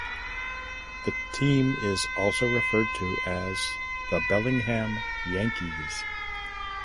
The team is also referred to as the "Bellingham Yankees".